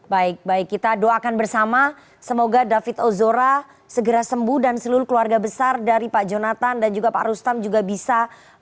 baik baik kita doakan bersama semoga david ozora segera sembuh dan seluruh keluarga besar dari pak jonathan dan juga pak rustam juga bisa